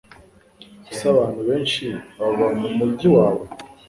Ese abantu benshi baba mumujyi wawe?